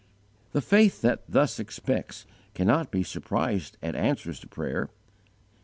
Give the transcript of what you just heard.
The faith that thus expects cannot be surprised at answers to prayer.